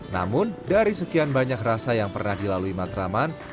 namun dari sekian banyak rasa yang pernah dilalui matraman